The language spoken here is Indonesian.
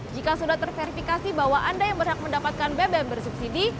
jika sudah terverifikasi bahwa anda yang berhak mendapatkan bbm bersubsidi